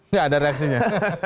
tidak ada reaksinya